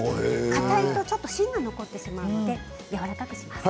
かたいと芯が残ってしまいますのでやわらかくします。